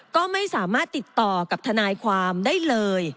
ก็ไม่สามารถติดต่อกับทนายความได้เลย